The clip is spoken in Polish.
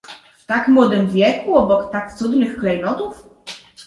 "w tak młodym wieku, obok tak cudnych klejnotów?"